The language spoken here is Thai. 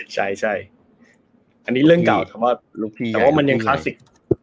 ใช่อันนี้เรื่องเก่าแต่ว่ามันยังคลาสสิก